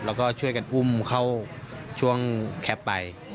แล้วก็ช่วยกันอุ้มเข้าช่วงแคปไป